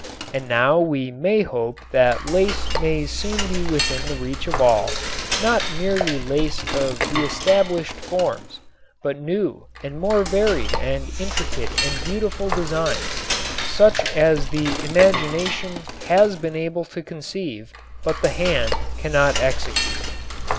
And now we may hope that lace may soon be within the reach of all, not merely lace of the established forms, but new and more varied and intricate and beautiful designs, such as the imagination has been able to conceive, but the hand cannot execute.